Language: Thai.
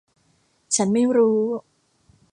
ฉันไม่รู้